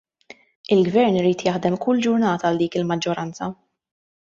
Il-Gvern irid jaħdem kull ġurnata għal dik il-maġġoranza.